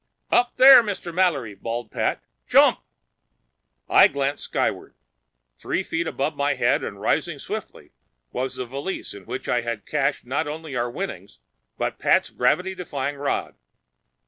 "Up there, Mr. Mallory!" bawled Pat. "Jump!" I glanced skyward. Three feet above my head and rising swiftly was the valise in which I had cached not only our winnings but Pat's gravity defying rod!